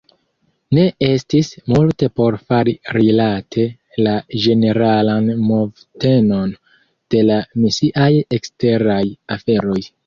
Ne estis multe por fari rilate la ĝeneralan movtenon de la misiaj eksteraj aferoj.